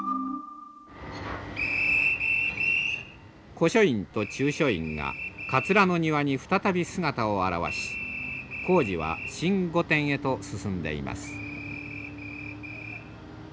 古書院と中書院が桂の庭に再び姿を現し工事は新御殿へと進んでいます。